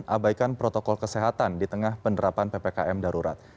abaikan protokol kesehatan di tengah penerapan ppkm darurat